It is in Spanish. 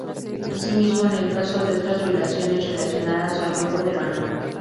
Asimismo en el caso de otras violaciones relacionadas al robo de ganado.